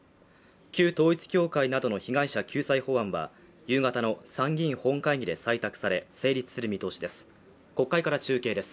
旧統一教会などの被害者救済法案は夕方の参議院本会議で採択され成立する見通しです